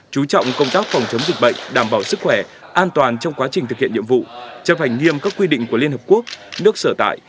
chú trọng công tác phòng chống dịch bệnh đảm bảo sức khỏe an toàn trong quá trình thực hiện nhiệm vụ chấp hành nghiêm các quy định của liên hợp quốc nước sở tại